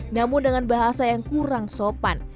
namun dengan bahasa yang kurang sopan